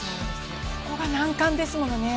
ここが難関ですものね。